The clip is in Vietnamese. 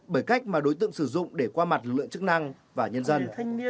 bởi cách mà đối tượng sử dụng để qua mặt lợi dụng chức năng và nhân dân